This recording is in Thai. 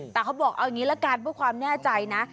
แต่เขาบอกเอาอย่างนี้ละกันเพื่อความแน่ใจนะ